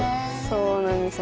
そうなんですよ。